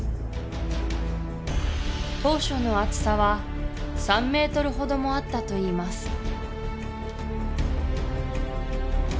当初の厚さは３メートルほどもあったといいます